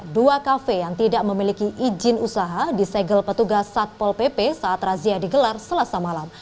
dua kafe yang tidak memiliki izin usaha disegel petugas satpol pp saat razia digelar selasa malam